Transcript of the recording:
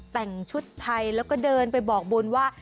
แต่งชุดไทยแล้วก็เดินไปบอกบุญว่า